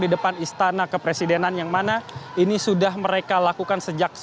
di depan istana kepresidenan yang mana ini sudah mereka lakukan sejak